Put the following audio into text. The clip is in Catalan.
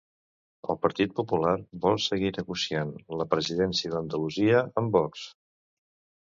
El Partit Popular vol seguir negociant la presidència d'Andalusia amb Vox.